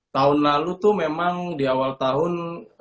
tahun lalu tuh memang di awal tahun